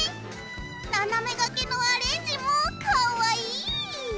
斜めがけのアレンジもかわいい。